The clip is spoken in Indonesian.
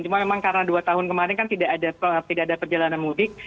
cuma memang karena dua tahun kemarin kan tidak ada perjalanan mudik